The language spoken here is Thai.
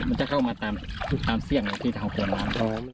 มันจะเข้ามาตามเสียงที่เท้ากวนน้ำ